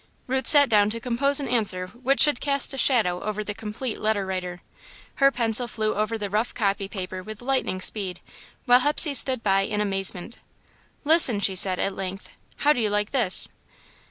Ruth sat down to compose an answer which should cast a shadow over the "Complete Letter Writer." Her pencil flew over the rough copy paper with lightning speed, while Hepsey stood by in amazement. "Listen," she said, at length, "how do you like this?"